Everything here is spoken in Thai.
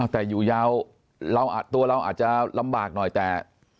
แต่อยู่ยาวตัวเราอาจจะลำบากหน่อยแต่